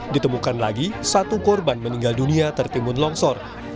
ditemukan lagi satu korban meninggal dunia tertimbun longsor